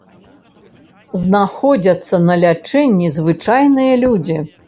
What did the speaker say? Знаходзяцца на лячэнні звычайныя людзі.